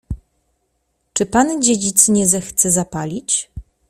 Czy pan dziedzic nie zechce zapalić?